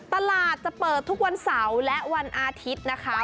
ตลาดจะเปิดทุกวันเสาร์และวันอาทิตย์นะคะ